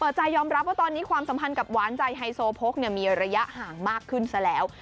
ใจยอมรับว่าตอนนี้ความสัมพันธ์กับหวานใจไฮโซโพกมีระยะห่างมากขึ้นซะแล้ว